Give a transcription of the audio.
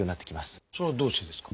それはどうしてですか？